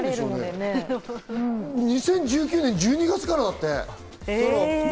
２０１９年１２月からだって。